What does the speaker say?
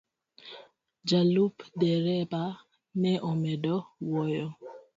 Ja lup dereba ne omedo wuoyo.